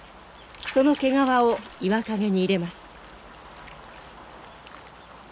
その毛皮を岩陰に入れます。